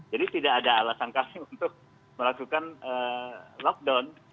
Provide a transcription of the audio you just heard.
jadi tidak ada alasan kami untuk melakukan lockdown